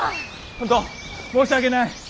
本当申し訳ない！